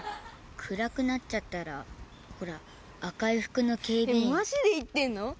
暗くなっちゃったらほら赤い服の警備員マジで言ってんの？